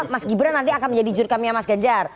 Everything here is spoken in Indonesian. mas gibran nanti akan menjadi jurkamnya mas ganjar